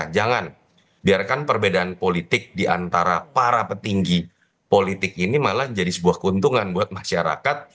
jangan biarkan perbedaan politik diantara para petinggi politik ini malah jadi sebuah keuntungan buat masyarakat